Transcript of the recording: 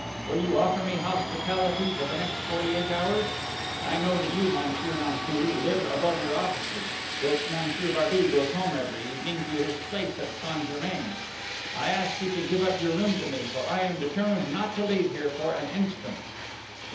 Will you offer me hospitality for the next forty eight hours?... I know that you, Monsieur Nanteuil, live above your offices, whilst Monsieur Barbey goes home every evening to his place at Saint Germain. I ask you to give up your room to me, for I am determined not to leave here for an instant!"